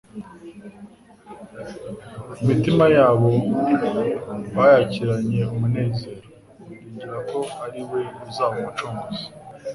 Imitima yabo bayakiranye umunezero, biringira ko ari we uzaba Umucunguzi.